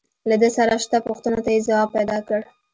له ده سره شته پوښتنو ته يې ځواب پيدا کړ.